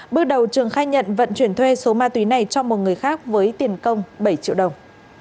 bước đầu trường khai nhận vận chuyển thuê số ma túy này cho một người khác với tiền công bảy triệu đồng